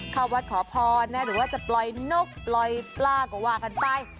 เข้าวัดขอพรหรือว่าจะปล่อยนกปล่อยปลาก็ว่ากันไป